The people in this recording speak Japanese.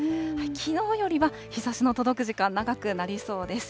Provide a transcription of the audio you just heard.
きのうよりは日ざしの届く時間、長くなりそうです。